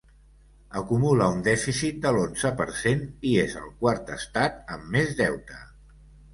Acumula un dèficit de l’onze per cent, i és el quart estat amb més deute.